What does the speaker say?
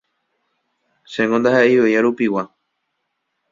Chéngo ndahaʼeivoi arupigua”.